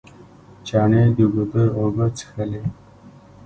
چڼې د ګودر اوبه څښلې.